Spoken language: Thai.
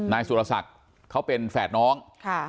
นายสุทัศน์เขาเป็นแฝดน้อง